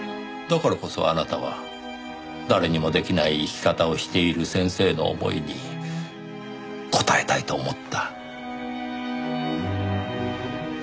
だからこそあなたは誰にもできない生き方をしている先生の思いに応えたいと思った。